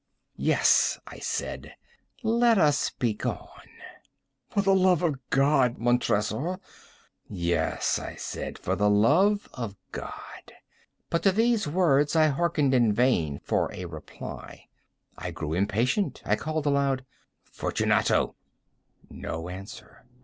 "Yes," I said, "let us be gone." "For the love of God, Montressor!" "Yes," I said, "for the love of God!" But to these words I hearkened in vain for a reply. I grew impatient. I called aloud— "Fortunato!" No answer.